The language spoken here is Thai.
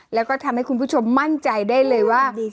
แล้วก็ทำให้คุณผู้ชมมั่นใจได้เลยว่า